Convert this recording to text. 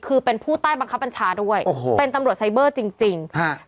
คือเป็นผู้ใต้บังคับบัญชาด้วยโอ้โหเป็นตำรวจไซเบอร์จริงจริงฮะ